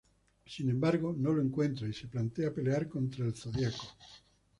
Sin embargo, no lo encuentra y se plantea pelear contra el zodiaco.